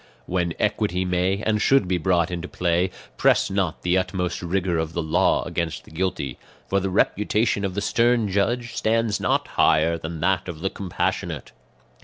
"When equity may and should be brought into play, press not the utmost rigour of the law against the guilty; for the reputation of the stern judge stands not higher than that of the compassionate.